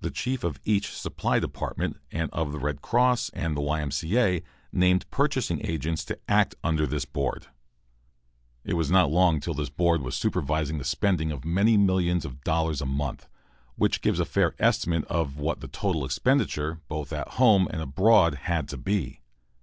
The chief of each supply department and of the Red Cross and the Y. M. C. A. named purchasing agents to act under this board. It was not long till this board was supervising the spending of many millions of dollars a month, which gives a fair estimate of what the total expenditure, both at home and abroad, had to be.